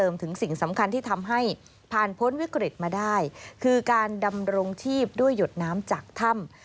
มาได้คือการดำรงทีพด้วยหยดน้ำจากถ้ำ